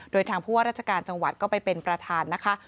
โดยทางผู้ว่าราชการจังหวัดก็ไปเป็นประธานนะคะ